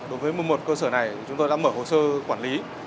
đối với một mươi một cơ sở này chúng tôi đã mở hồ sơ quản lý